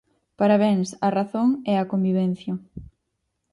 Parabéns á razón e á convivencia.